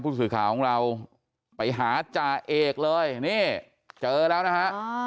ผู้สื่อข่าวของเราไปหาจ่าเอกเลยนี่เจอแล้วนะฮะ